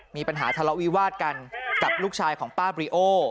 มีปัญหาทะเลาะวิวาดกันกับลูกชายของป้าบริโอ